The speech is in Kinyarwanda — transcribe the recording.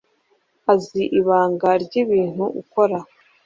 Azi ibanga ry'ibintu ukora